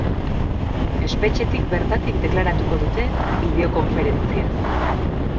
Espetxetik bertatik deklaratuko dute, bideokonferentziaz.